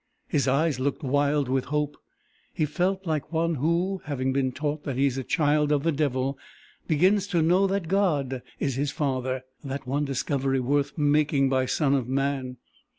His eyes looked wild with hope. He felt like one who, having been taught that he is a child of the devil, begins to know that God is his father the one discovery worth making by son of man.